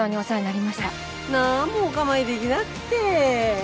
なんもお構いできなくて。